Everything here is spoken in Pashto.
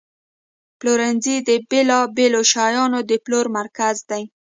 پلورنځی د بیلابیلو شیانو د پلور مرکز دی.